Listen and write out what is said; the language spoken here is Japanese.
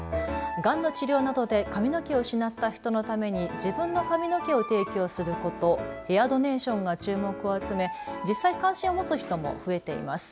がんの治療などで髪の毛を失った人のために自分の髪の毛を提供すること、ヘアドネーションが注目を集め、実際関心を持つ人も増えています。